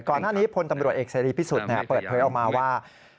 ก่อนหน้านี้พลตำรวจเอกเสรีพิสุทธิ์เปิดเผยออกมาว่า